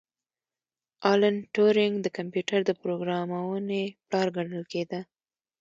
الن ټورینګ د کمپیوټر د پروګرامونې پلار ګڼل کیده